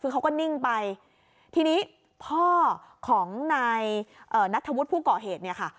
คือเขาก็นิ่งไปทีนี้พ่อของนายเอ่อนัทธวุฒิผู้ก่อเหตุเนี่ยค่ะ